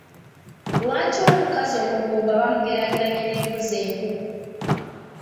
Lwaki omukazi omugumba bamugeraageranya n’embuzi enkunku?